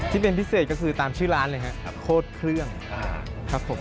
ที่เป็นพิเศษก็คือตามชื่อร้านเลยครับโคตรเครื่องครับผม